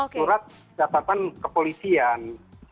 surat catatan kepolisian